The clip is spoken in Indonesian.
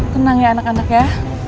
tenang ya anak anak ya